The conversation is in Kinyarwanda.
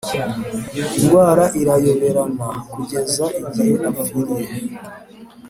Indwara irayoberana kugeza igihe apfiriye